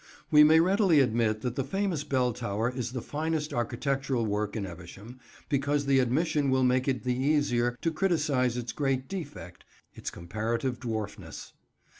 We may readily admit that the famous Bell Tower is the finest architectural work in Evesham, because the admission will make it the easier to criticise its great defect, its comparative dwarfness.